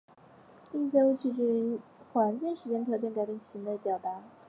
一些植物取决于环境条件的时间因素而改变其形态的表达。